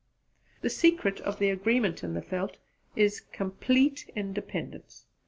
The secret of agreement in the veld is complete independence!